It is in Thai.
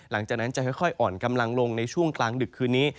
หลังจากนั้นจะค่อยอ่อนกำลังลงในช่วงกลางดึกคืนนี้